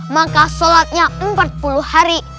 maka sholatnya empat puluh hari